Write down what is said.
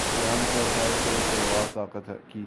یوں بیان کیا تھا کہ تلوار طاقت کی